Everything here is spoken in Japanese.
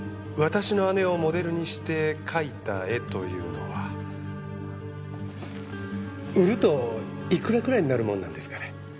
私の姉をモデルにして描いた絵というのは売るといくらくらいになるもんなんですかね？